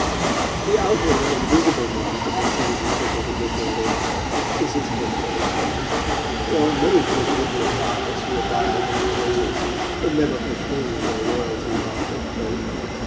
The outward and visible mark of the citizenship of the book lover is his book plate. There are many good bibliophiles who abide in the trenches, and never proclaim their loyalty by a book plate.